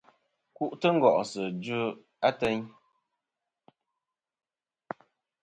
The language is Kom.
Ku'tɨ ngòsɨ a djuyeyn etm.